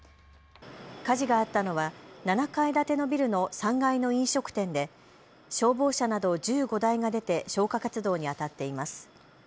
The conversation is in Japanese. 火事があったのは７階建てのビルの３階の飲食店で消防車など１５台が出て消火活動にあたっています。